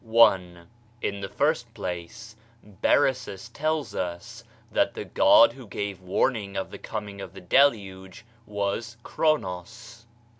1. In the first place, Berosus tells us that the god who gave warning of the coming of the Deluge was Chronos.